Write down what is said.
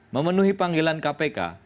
memenuhi panggilan kpk